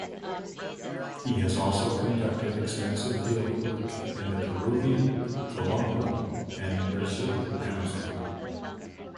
He has also conducted extensive fieldwork in the Peruvian, Colombian, and Brazilian Amazon.